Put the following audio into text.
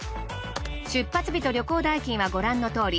出発日と旅行代金はご覧の通り。